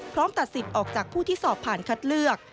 ตัดสิทธิ์ออกจากผู้ที่สอบผ่านคัดเลือก